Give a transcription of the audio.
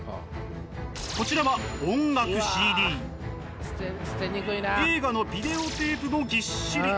こちらは映画のビデオテープもぎっしり。